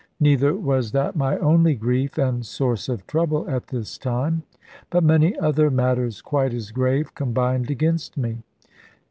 Neither was that my only grief and source of trouble at this time; but many other matters quite as grave combined against me.